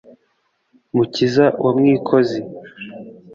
mukiza wa mwikozi,